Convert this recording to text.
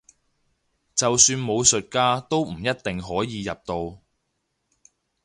就算武術家都唔一定可以入到